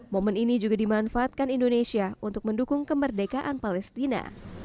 momen ini juga dimanfaatkan indonesia untuk mendukung kemerdekaan palestina